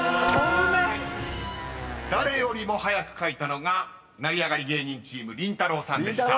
［誰よりも早く書いたのが成り上がり芸人チームりんたろー。さんでした］